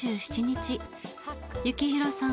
幸宏さん